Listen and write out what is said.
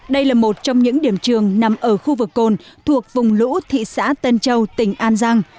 đây là một trong những điểm trường nằm ở khu vực cồn thuộc vùng lũ thị xã tân châu tỉnh an giang